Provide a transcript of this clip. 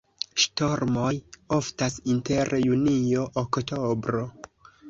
Ŝtormoj oftas inter junio-oktobro.